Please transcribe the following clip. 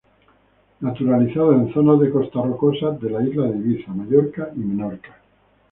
Naturalizada en zonas de costa rocosas de la isla de Ibiza, Mallorca y Menorca.